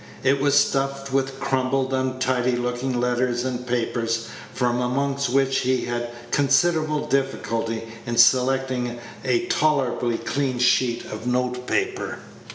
It was stuffed with crumpled, untidy looking letters and papers, from among which he had considerable difficulty in selecting a tolerably clean sheet of note paper.